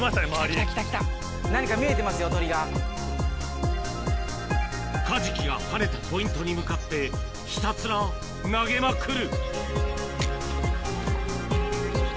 来た来た来た、カジキが跳ねたポイントに向かって、ひたすら投げまくる。